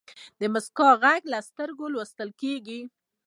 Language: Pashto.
د موسکا ږغ له سترګو لوستل کېږي.